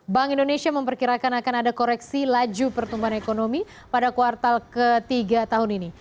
bank indonesia memperkirakan akan ada koreksi laju pertumbuhan ekonomi pada kuartal ketiga tahun ini